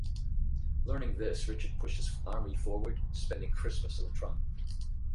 Learning this, Richard pushed his army forward, spending Christmas at Latrun.